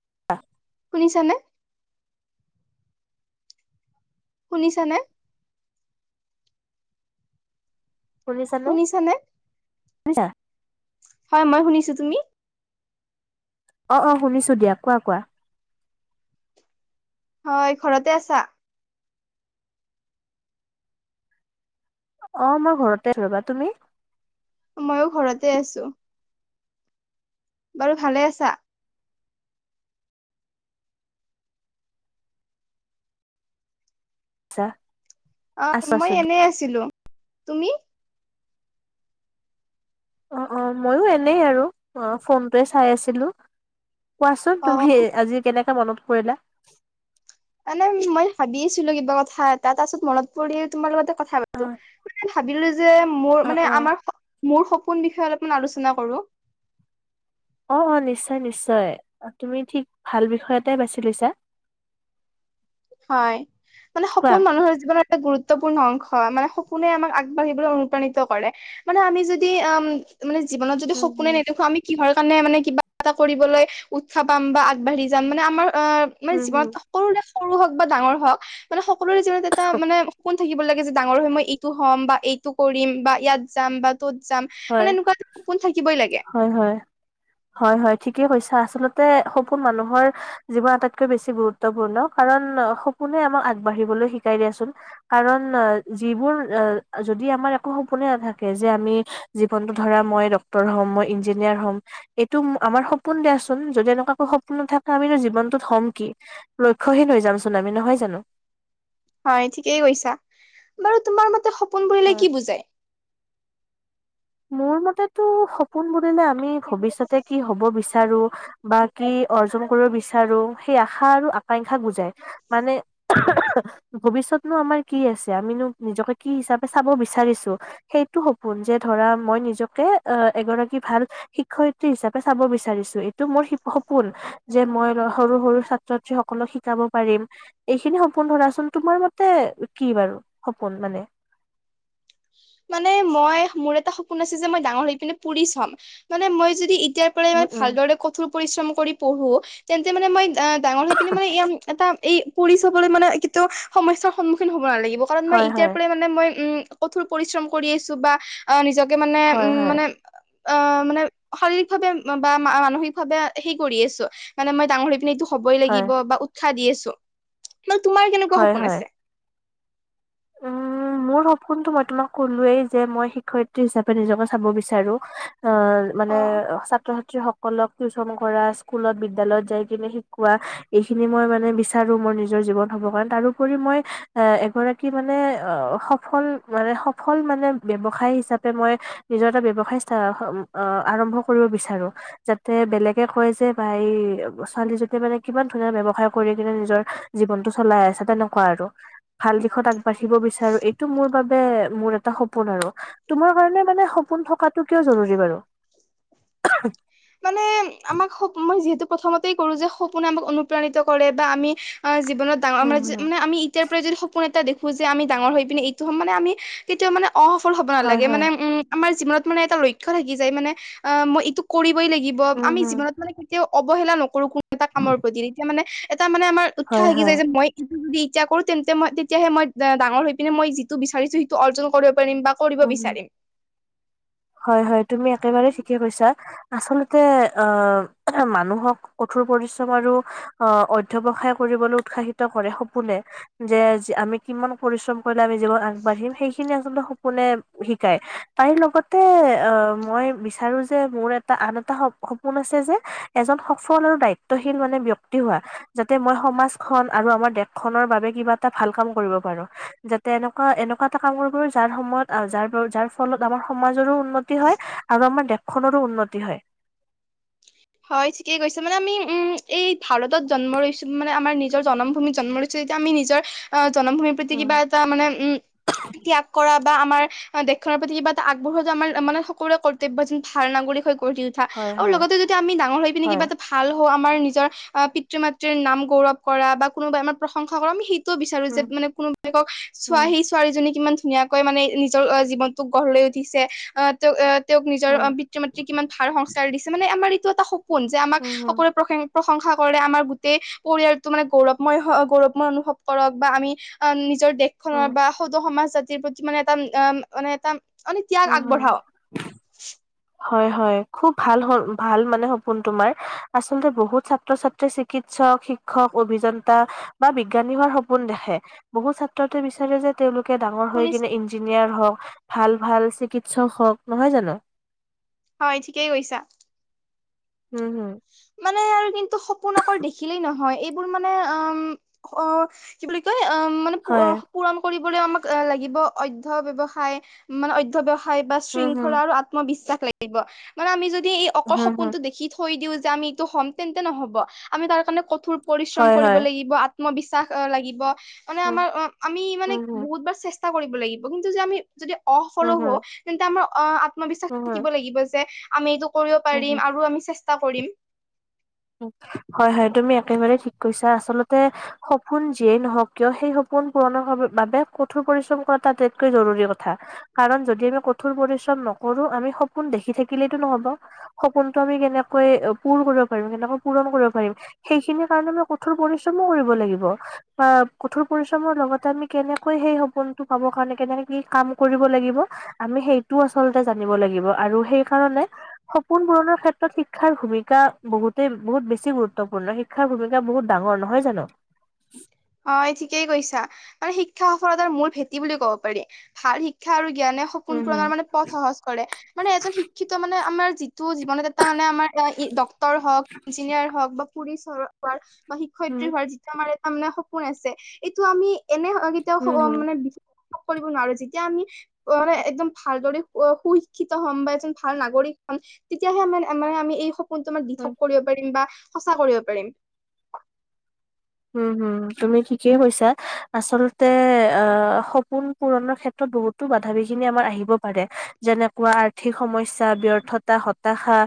[unintelligible] শুনিছানে? শুনিছানে? শুনিছানে, শুনিছা হয় মই শুনিছো, তুমি অ অ শুনিছো দিয়া কোৱা কোৱা হয় ঘৰতে আছা? অ মই ঘৰতে ৰবা, তুমি? ময়ো ঘৰতে আছো। বাৰু ভালে আছা? ছা অ মই এনে আছিলো তুমি অ অ ময়ো এনেই আৰু অ ফোনটোৱে চাই আছিলো কোৱাচোন অ' তুমি আজি কেনৈকে মনত প কৰিলা মানে মই ভাবিছিলো কিবা কথা এটা তাৰ পাছত মনত পৰি তোমাৰ লগতে কথা অ পাতো, ভাবিলো যে মোৰ অ মানে অ আমাৰ মোৰ কোন বিষয়ত অলপমান আলোচনা কৰো অ অ নিশ্চয় নিশ্চয়, তুমি ঠিক ভাল বিষয়তে বাছি লৈছা। হয় মানে কোৱা সপোন মানুহৰ জীৱনৰ এটা গুৰুত্ব গুৰুত্বপূৰ্ণ অংশ মানে সপোনে আমাক আগবাঢ়িবলৈ অনুপ্ৰাণিত কৰে, মানে আমি যদি উম মানে জীৱন যদি উম সপোনে নেদখো আমি কিহৰ কাৰণে মানে কিবা এটা কৰিবলৈ উৎসাহ পাম বা আগবাঢ়ি যাম মানে আমাৰ অ মানে হম উম জীৱনত হম সকলোৰে সৰু হওক বা ডাঙৰ হওক, মানে সক সকলোৰে জীনত এটা মানে সপোন থাকিব লাগে যে ডাঙৰ হৈ মই এইটো হ'ম বা এইটো কৰিম বা ইয়াত যাম বা ত'ত যাম হয় মানে কপোন থাকিবই। লাগে হয় হয়। হয় হয় ঠিকেই কৈছা আচলতে সপোন মানুহৰ জীৱন আটাইতকৈ বেছি গুৰুত্বপূৰ্ণ কাৰণ সপোনে আমাক আগবাঢ়িবলৈ শিকাই দিয়াচোন কাৰণ যিবোৰ যদি আমাৰ একো সপোনে নাথাকে যে আমি জীৱনতটো ধৰা মই [unintelligible] হম মই ইঞ্জিনিয়াৰ হ'ম এইটো আমাৰ সপোন দিয়াচোন যদি এনেকুৱাকো সপোন নাথাকে আমো জীৱনটোত হ'ম কি লক্ষ্যহীন হৈ যামচোন আমি নহয় জানো। হয় ঠিকেই কৈছা বাৰু তোমাৰ মতে সপোন বুলিলে হয়। কি বুজায়? মোৰ মতেটো সপোন বুলিলে আমি ভৱিষ্যতে কি হব বিচাৰো বা কি অৰ্জন কৰিব বিচাৰো সেই আশা আৰু আকাংক্ষা বুজাই মানে ভৱিষ্য়তনো আমাৰ কি আছে আমিনো নিজকে কি হিচাপে চাব বিচাৰিছো সেইটো সপোন যে। ধৰা মই নিজকে আহ এগৰাকী ভাল শিক্ষয়িত্ৰী হিচাপে চাব বিচাৰিছো এইটো মোৰ সপোন যে মই সৰু সৰু ছাত্ৰ ছ সকলক শিকাব পাৰিম এইখিনি সপোন ধৰাচোন তোমাৰ মতে কি বাৰু সপোন মানে মানে মই মোৰ এটা এটা সপোন আছে যে মই ডাঙৰ হৈ পিনে পুলিচ হম মানে মই যদি তেতিয়াৰ পৰাই উম ইমান উম ভালদৰে কঠোৰ পৰিশ্ৰম মানে মই ডাঙৰ হয় মানে এটা এই পৰি চবলৈ মানে কেতিয়াও সমস্যাৰ সন্মুখীন হ'ব নালাগিব কাৰণ মই হয় ইতিয়াৰ হয় পৰাই মানে মই কঠোৰ পৰিশ্ৰম কৰি আিছো বা অ নিজৰ মানে উ হয় হয় মানে অ মানে শাৰীৰিক ভাৱে বা মানসিকভাৱে হে কৰি আছো মানে মই ডাঙৰি পিনে এইটো হবই হয় লাগিব বা উ চ দি আছো তোমাৰ কেনেকুৱা হয় সপোন হয় আছে উম মোৰ সপোনটো মই তোমাক কলোোৱেই যে মই শিক্ষয়িত্ৰী হিচাপে নিজকে চাব বিচাৰো অ' মানে অ'। ছাত্ৰ ছাত সকলক টিউচন কৰা স্কুলত বিদ্যালয়ত যাই কিনে শিকোৱা এইখিনি মই মানে বিচাৰো মোৰ নিজৰ জীৱন হব কাৰণে তাৰোপৰি মই এগ কি মানে অ সফল মানে সফল মানে ব্য্ৱসায় হিচাপে মই নিজৰ এটা ব্য়ৱসায় আৰম্ভ কৰিব বিচাৰো যাতে বেলেগে কয় যে ভাই ছোৱালীজনীয়ে মানে কিমান ধুনীয়া ব্য়ৱসায় কৰি কিনে নিজৰ জীৱনতটো চলাই আছে তেনেকুৱা আৰু ভাল। [unintelligible] পাঠিব বিচাৰো এইটো মোৰ বাবে। মোৰ এটা সপোন আৰু তোমাৰ কাৰণে মানে সপোন থকাটো কিয় জৰুৰী বাৰু। মানে আমাক মই যিহেতু প্ৰথমতেই কৰো যে সপোন আমাক অনুপ্ৰাণিত কৰে বা আমি [unintelligible] উম, হুম, আমি ইতিয়াৰ পৰা যদি সপোন এটা দেখো। খোজো আমি ডাঙৰ হৈ পিনে এইটো হম মানে আমি কেতিয়াও মানে অসফল হ'ব হয়, নালাগে হয়, মানে উম আমাৰ। জীৱনত মানে এটা লক্ষ্য থাকি যায় মানে অ' মই এইটো। ই লাগিব উম, আমি হুম, জীৱনত মানে তেওঁ অৱহেলা নকৰোোন এটা কামৰ প্ৰতি এতিয়া মানে এটা মানে আমাৰ উৎসাহ হয়, আহি হয়। যায় যে মই যদি ইচ্ছা কৰো তেন্তে মই তেতিয়াহে মই ডাঙৰ হৈ পিনে মই যিটো বিচাৰিছো সিটো অৰ্জন কৰিব কৰিব উম, হুম। বিচাৰ হয় হয় তুমি একেবাৰে ঠিকে কৈছা আচলতে অ মানুহক কঠোৰ পৰিশ্ৰম আৰু অ অধ্য়ৱসায় কৰিবলৈ উৎসাহিত কৰে সপোনে যে আমি কিমান পৰিশ্ৰম কৰি মি য আগাঢিম সেইখিনি আচলতে কোনে শিকায় তাইৰ লগত াতে অ মই বিচাৰো যে মোৰ এটা আন এটা স সপোন আছে যে এজন সফল আৰু দায়িত্বশীল মানে ব্য়ক্তি হোৱা যাতে মই সমাজখনন আৰু আমাৰ দেশ খনৰ বাবে কিবা এটা ভাল কাম কৰিব পাৰো যাতে এনেকুৱা এনেকুৱা এটা কাম কৰিব পাৰো যাৰ সময়ত যাৰ যাৰ ফলত আমাৰ সমাজৰো উন্নতি হয় আৰু আমাৰ দেশখনৰো উন্নতি হয় হয় ঠিকেই কৈছে মানে আমি উম এই ভাৰতত জন্ম লৈছো মানে আমাৰ নিজৰ জন্মভূমিত জন্ম লৈছো যেতিয়া আমি নিজৰ জনমভূমিৰ প্ৰতি উম, কিবা এটা মানে উম ত্যাগ কৰা বা আমাৰ দেশখনৰ প্ৰতি কিবা এটা আগবঢ়োৱাটো আমাৰ মানে সকলোৰে কৰ্তব্য যেন ভাল নাগৰিক কৰি দিা হয়, আৰু হয়, লগতে যদি ডাঙৰ হৈ পিনে হয়, কিবাটো ভাল হয় আমাৰ নিজৰ পিতৃ মাতৃৰ নাম গৌৰৱ কৰা বা কোনোবাই আমাৰ প্ৰশংসা কৰামি বিচাৰো যে উম, মানে কোনোবিলক চ উম, সি ছোৱালীজনী কিমান ধুনীয়াকৈ মানে নিজৰ জীৱনতোক গঢ় লৈ উঠিছে আহ তেওঁ তেওঁক নিজৰ অ উম, পিতৃ মাতৃৰ কিমান ভাল সংস্কাৰ দিছে মানে আমাৰ এইটো এটা কোন যে আমাক উম, উম, সকলোৰে প্ৰসং প্ৰশংসা কৰে আমাৰ গোটেই পৰিয়ালটো মানে গৌৰৱময় গৌৰৱময় অনুভৱ কৰক বা আমি নিজৰ উম, দেশখনৰ বা সদৌ সমাজা প্ৰতি মানে এটা উ মানে এটা আ ত্যাগ উম, আগ উম, বঢ়াব হয় হয় খুব ভাল ভাল মানে সপোন তোমাৰ আচল্ততে বহুত ছাত্ৰ ছাত্ৰীয়ে চিকিৎসক শিক্ষক অভিযন্তা বা বিজ্ঞানী হোৱাৰ সপোন দেখে বহুত ছাত্ৰতে বিচাৰে যে তেওঁলোক কৈ ডাঙৰ হৈ শুনিছ কিনে ইঞ্জিনিয়াৰ হওক ভাল ভাল চিকিৎসক হওক নহয় জানো হয় ঠিকেই কৈছা হম হম মানে আৰু কিু সপোন আাক দেখিলেই নহয় এইবোৰ মানে অ কি বুলি ক মানে হয়, পৰণ কৰিব আমাক লাগিব অধ্য় ব্য্য়সায় মানে অধ্য়্য়সায় হয় বা উম, হম, শৃংখলা আৰু আত্মবিশ্বাস লিব মানে আমি যদি এই অকল হম, শকুোন হম, টো দেখি থৈ দিওঁ যে আমি এইটো হ'ম তেন্তে নহব আমি তাৰ কাৰণে কঠোৰ পৰিশ্ৰম হয়, কৰিব হয়। লাগিব মই বিশ্বাস লাগিব মানে উম, আমাৰ অ আমি মানে হুম, হুম, বহুত বাৰ চেষ্টা কৰিব লাগিব কিন্তু যে আমি যদি অফল হুম, হুম, হুৱ তেন্তে আমাৰ অ আত্মবিশ্বাস হুম, হুম, হুম, থাকিব লাগিব যে আমি এইটো কৰিব হুম, পাৰিম হুম। আৰু আমি চষ্টা কৰিম হয় হয় তুমি একেবাৰে ঠিক কৈছাছা আচল সপোন যিয়েই নহওক কিয় সেই সপোন পূুৰণৰ বাবে কঠোৰ পৰিশ্ৰম কৰাটো আটাইতকৈ জৰুৰী কথা কাৰণ যদি আমি কঠোৰ পৰিশ্ৰম নকৰো আমি সপোন দেখি থাকিলেইটো নহব সপোনতটো আমি কেনেক ক পৰ কৰিব কেনেক পূৰণ কৰিব পাৰিম সেইখিনি কাৰণে ম কঠোৰ পৰিশ্ৰমো কৰিব লাগিব বা কঠোৰ পৰিশ্ৰমৰ লগতে আমি কেনেকৈ সেই সপোনটো পাব কাৰণে কেনেকে কি কাম কৰিব লাগিব আমি সেইটোও আচলতে জানিব লাগিব আৰু সেইকাৰনে সপোন পূৰণৰ ক্ষেত্ৰত শিক্ষাৰ ভূমিকা বহুতে বহুত বেছি গুৰুত্বপূৰ্ণ শ শিক্ষাৰ ভূমিকা বহুত ডাঙৰ, নহয় জানো? হয় ঠিকেই কৈছা শিক্ষা সফলতাৰ মূল ভেটি বুলি ক'ব পাৰি। ভাল শিক্ষা আৰু জ্ঞানে সপোন উম, হম, পূৰণৰ মানে পথ সহজ কৰে মানে এজন শিক্ষিত মানে আমাৰ যিটো জীৱনত এটা মানে আমাৰ ডক টৰ হওক ইঞ্জিনিয়াৰ হওক বা পুৰি চৰত পাৰ্কচ বা শিক্ষয়িত্ৰী উম, হোৱাৰ যিটো আমাৰ নে সপোন আছে এইটো আমি এনে হম, কেতিয়াও হম, মানে কৰিব নোৱাৰো যেতিয়া আমি অ একদম ভালদৰে সুশিক্ষিত হম বা এজন ভাল নাগৰিক হম তেতিয়াহে আমে মানে আমি এই তোমাৰ হম। দিঠক কৰিব পাৰিম বা সঁচা কৰিব পাৰিম, উম হম তুমি ঠিকেই কৈছা আচলতে আহ সপোন পূৰণৰ ক্ষেত্ৰত বহুতো বাধা বিঘিনি আমাৰ আহিব পাৰে যেনেকুৱা আৰ্থিক সমস্যা, ব্যৰ্থতা, হতাশা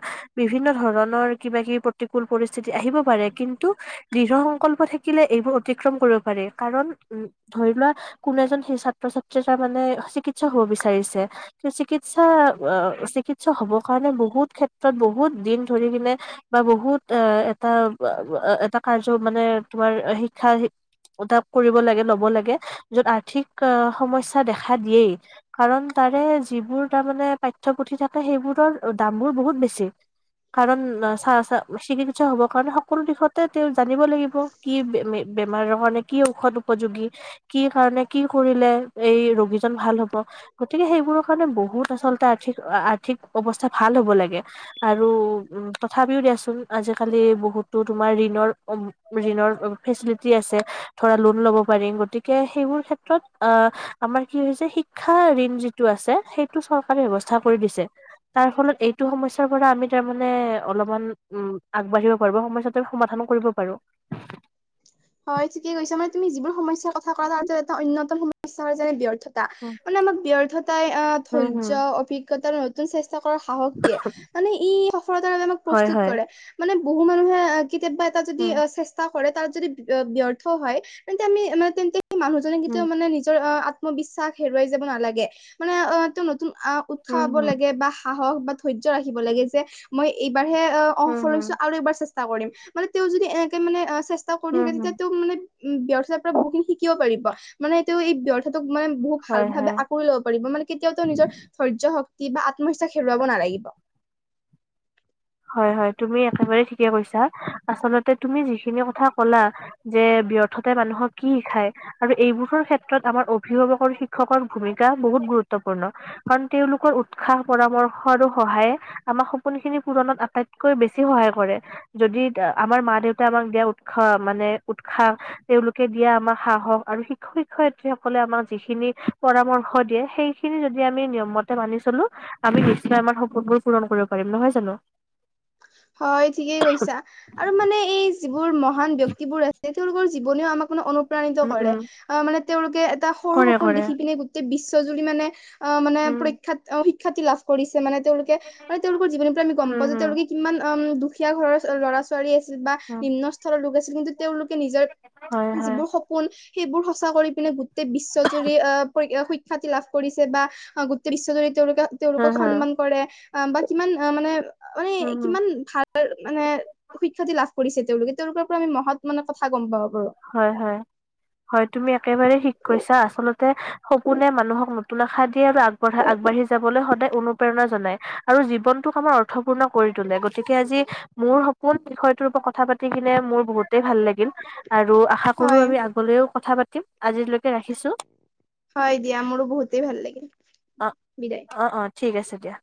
বিভিন্ন ধৰণৰ কিবা কিবি প্ৰতিকূল পৰিস্থিতি আহিব পাৰে কিন্তু দৃঢ় সংকল্প, থাকিলে এইবোৰ অতিক্ৰম কৰিব পাৰি, কাৰণ উ ধৰি লোৱা কোনো এজন সেই ছাত্ৰ ছাত্ৰীয়ে তাৰ মানে চিকিৎসক হ'ব বিচাৰিছে কিন্তু চিকিৎসা আহ চিকিৎসক হ'ব কাৰণে বহুত ক্ষেত্ৰত বহুত দিন ধৰি কিনে বা বহুত এটা এটা কাৰ্য মানে, তোমাৰ শিক্ষা তাক কৰিব লাগে ল'ব লাগে য'ত আৰ্থিক সমস্যাই দেখা দিয়েই কাৰণ তাৰে যিবোৰ তাৰমানে পাঠ্যপুথি থাকে সেইবোৰৰ দামবোৰ বহুত বেছি কাৰণ চা চা চিকিৎসক হ'বৰ কাৰণে সকলো দিশতে তেওঁ জানিব লাগিব। কি বে বেমাৰৰ কাৰণে কি ঔষধ উপযোগী? কি কাৰণে কি কৰিলে? এই ৰোগীজন ভাল হ'ব গতিকে সেইবোৰ, কাৰণে বহুত আচলতে আৰ্থিক আৰ্থিক অৱস্থা ভাল হ'ব লাগে আৰু উ তথাপিও দিয়াচোন আজিকালি বহুতো তোমাৰ ঋণৰ, ঋণৰ, ফেচিলিটি আছে ধৰা লোণ ল'ব পাৰিম গতিকে সেইবোৰ ক্ষেত্ৰত, আহ আমাৰ কি হৈছে শিক্ষা ঋণ যিটো আছে সেইটো চৰকাৰে ব্যৱস্থা কৰি দিছে, তাৰ ফলত এইটো সমস্যাৰ পৰা আমি তাৰমানে অলপমান উ আগবাঢ়িব পাৰো সমস্যাটো সমাধান কৰিব পাৰোঁ। হয় ঠিকে কৈছে মানে তুমি যিবোৰ সমস্যাৰ কথা ক'লা তাৰ এটা অন্যতম সমস্যা হয় যেনে ব্যৰ্ তা উম, মানে আমাক ব্যৰ্থতাই হুম, ধৈৰ্য, হুম। অভিজ্ঞতাৰ, তু সাহস দিয়ে মানে ই সফলতাত আমাক হয়, প্ৰস্তুত হয়। কৰে মানে, বহু মানুহে, কেতিয়াবা এটা যদি উম, চেষ্টা, ক'ৰে তাত যদি, ব্যৰ্থ হয় তেন্তে আমি মানে তেন্তে, সেই মানুহজনে হুম, কেতিয়াও মানে নিজৰ, আত্ম বিশ্বাস হেৰুৱাই যাব নালাগে মানে অটোতু নতুন আহ উৎসাহ উম, হ'ব হুম, লাগে বা সাহস, বা ধৈৰ্য ৰাখিব লাগে যে মই, এইবাৰ হে অ' হুম, অংফলৈছো হুম, আৰু এইবাৰ চেষ্টা কৰিম মানে তেওঁ যদি এনেকে মানে ক [unintelligible] মানে হুম, হুম। উম ব্যৰ্থতাত্ৰা বহুখিনি শিকিব পাৰিব মানে সেইটো এই ব্যৰ্থ মানে বহুত ভাল হয়, ভাৱে হয়। আকুৰি ল'ব পাৰিব মানে কেতিয়াও নিজৰ ধৈৰ্য শক্তি কিবা আত্মবিশ্বাস হেৰুৱাব নালাগিব। হয় হয় তুমি একেবাৰ ঠিকে কৈছা, আচলতে তুমি যিখিনি কথা কলা যে ব্যৰ্থতে মানুহক কি শিকায় আৰু এইবোৰৰ ক্ষেত্ৰত আমাৰ অভিভাৱকৰ শিক্ষকৰ ভূমিকা বহুত গুৰুত্বপূৰ্ণ, কাৰণ তেওঁলোকৰ উৎসাহ পৰামৰ্শ আৰু সহায়ে আমাক সপোনখিনি পূুৰণত আটাইতকৈ বেছি সহায় কৰে, যদি আমাৰ মা দেউতাই আমাক দিয়া উৎসাহ মানে উৎসাহ তেওঁলোকে দিয়া আমাক সাহস আৰু শিক্ষক শিক্ষয়িত্ৰী সকলে আমাক যিখিনি পৰামৰ্শ দিয়ে সেইখিনি যদি আমি নিয়মতে মানি চলো আমি নিশ্চয় আমাৰ সপোনবোৰ পূৰণ কৰিব পাৰিম নহয় জানো। হয় ঠিকেই কৈছা আৰু মানে এই যিবোৰ মহ মহান ব্যয়ক্তিবোৰ আছে তেওঁলোকৰ জীৱনেও আমাৰো [unintelligible] প্ৰাণিত উম, কৰে উম, আহ মানে তেওঁলোকে এটা সৰু কৰে সপোন কৰে। দেখি পিনে গোটেই বিশ্ব তই যদি মানে অঁ মানে উম, পৰীক্ষাত অঁ খ্যাতি লাভ কৰিছ চে মানে তেওঁলোকে মানে তেওঁলোকৰ জীৱনটো আমি গম পাওঁ উম, যে হুম, তেওঁলোকে উম দুখীয়া ঘৰৰ ল'ৰা ছোৱালী আছে বা হুম, নিম্নস্থলৰ লোক আছিল কিন্তু তেওঁলোকে নিজৰ হয়, হয়, যিবোৰ সপোন সেইবোৰ সঁচা কৰি পিনে গোটেই বিশ্বজুৰি আ [unintelligible] খ্যাতি লাভ কৰিছে বা গোটেই বিশ্বজুৰিত তেওঁলোকে হা, তেওঁলোকক হা, সন্মান কৰে। আ বা কিমান আ মানে মানে উম, হুম, কিমান ভাল মানে সুখ্যাতি লাভ কৰিছে তেওঁলোকে তেওঁলোকৰ পৰা আমি মহৎ মানে কথা গম পাও আৰু। হয় হয়- হয় তুমি একেবাৰে থিক কৈছা আচলতে সপোনে মানুহক নতুন আশা দিয়ে আৰু আগবঢ়া আগবাঢ়ি যাবলৈ সদায় অনুপ্ৰেৰণা জনায় আৰু জীৱনটোক আমাৰ অৰ্থপূৰ্ণ কৰি তোলে, গতিকে আজি মোৰ সপোন বিষয়টোৰ ওপৰত কথা পাতি কিনে মোৰ বহুত টেই ভাল লাগিল। আৰু আশা কৰো হয় আমি আগলৈও কথা পাতি তিম আজিলৈকে ৰাখিছো। হয় দিয়া মোৰো বহুতে ভাল লাগিল, অ', বিদায়। অ', অ', ঠিক আছে দিয়া।